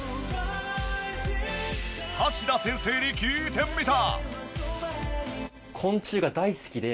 橋田先生に聞いてみた！